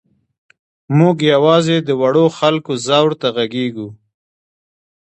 موږ یوازې د وړو خلکو ځور ته غږېږو.